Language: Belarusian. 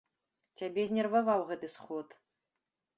Цябе знерваваў гэты сход.